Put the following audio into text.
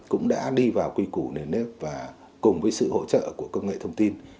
cũng đã đi vào quy củ nền nếp và cùng với sự hỗ trợ của công nghệ thông tin